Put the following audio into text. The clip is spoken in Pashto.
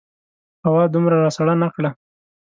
هوا دومره راسړه نه کړه.